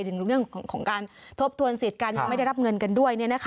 ถึงเรื่องของการทบทวนสิทธิ์การยังไม่ได้รับเงินกันด้วย